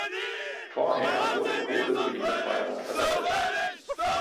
Vorher wurde Kohle für die Befeuerung verwendet.